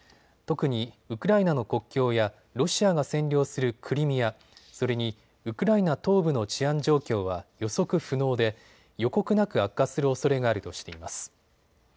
特にウクライナの国境やロシアが占領するクリミア、それにウクライナ東部の治安状況は予測不能で予告なく悪化するおそれがあるとしています。